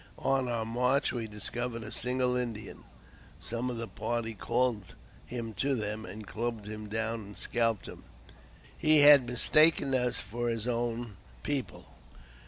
On om' march we discovered a single Indian. Some of the party called him to them, and clubbed him down and scalped him. He had mistaken us for his own people.